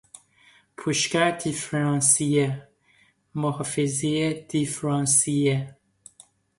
پوشگر دیفرانسیل، محفظهی دیفرانسیل